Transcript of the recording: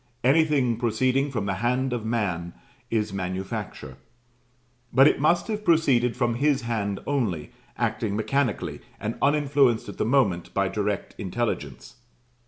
Anything proceeding from the hand of man is manufacture; but it must have proceeded from his hand only, acting mechanically, and uninfluenced at the moment by direct intelligence.